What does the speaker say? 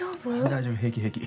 大丈夫平気平気。